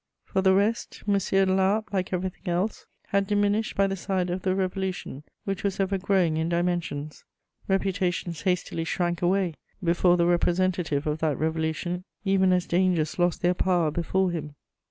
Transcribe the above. For the rest, M. de La Harpe, like everything else, had diminished by the side of the Revolution, which was ever growing in dimensions: reputations hastily shrank away before the representative of that Revolution, even as dangers lost their power before him.